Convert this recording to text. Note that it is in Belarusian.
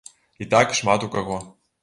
І так шмат у каго.